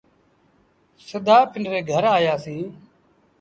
سڌآ پنڊري گھر آيآسيٚݩ۔